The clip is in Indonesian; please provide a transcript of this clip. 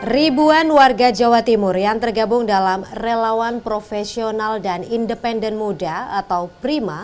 ribuan warga jawa timur yang tergabung dalam relawan profesional dan independen muda atau prima